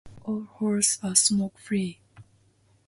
All halls are smoke-free.